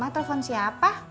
ma telepon siapa